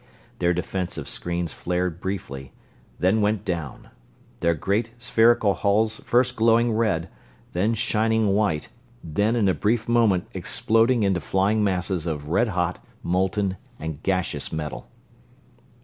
Their defensive screens flared briefly, then went down; their great spherical hulls first glowing red, then shining white, then in a brief moment exploding into flying masses of red hot, molten, and gaseous metal.